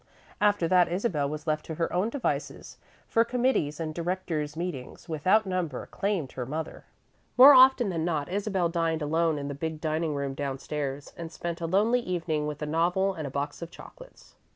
After that, Isabel was left to her own devices, for committees and directors' meetings without number claimed her mother. More often than not, Isabel dined alone in the big dining room downstairs, and spent a lonely evening with a novel and a box of chocolates.